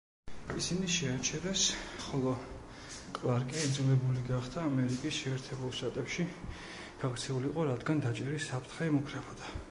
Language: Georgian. ისინი შეაჩერეს, ხოლო კლარკი იძლებული გახდა ამერიკის შეერთებულ შტატებში გაქცეულიყო, რადგან დაჭერის საფრთხე ემუქრებოდა.